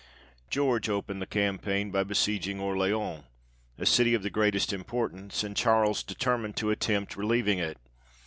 George opened the campaign by besieging Orleans, a city of the greatest importance ; and Charles determined to attempt relieving it.